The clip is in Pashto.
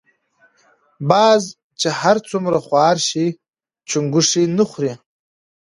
باز چی هر څومره خوار شی چونګښی نه خوري .